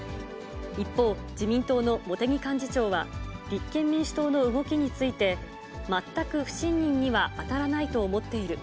一方、自民党の茂木幹事長は、立憲民主党の動きについて、全く不信任には当たらないと思っている。